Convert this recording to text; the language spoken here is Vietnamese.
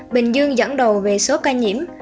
bình dương dẫn đầu về số ca nhiễm